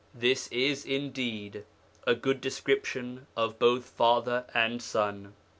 This is, indeed, a good description of both father and son.